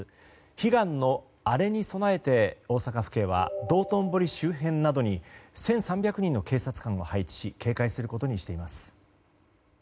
悲願の、あれに備えて大阪府警は道頓堀周辺などに１３００人の警察官を配置し警戒することにしています。